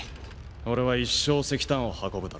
俺は一生石炭を運ぶだろう。